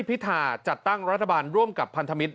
พิธาจัดตั้งรัฐบาลร่วมกับพันธมิตร